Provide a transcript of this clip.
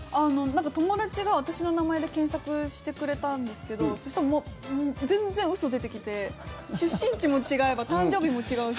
友達が私の名前で検索してくれたんですけどそうしたら全然、嘘出てきて出身地も違えば誕生日も違うし。